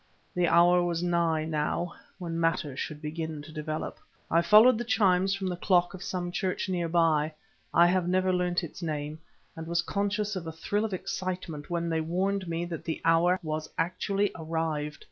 The hour was nigh now, when matters should begin to develop. I followed the chimes from the clock of some church nearby I have never learnt its name; and was conscious of a thrill of excitement when they warned me that the hour was actually arrived....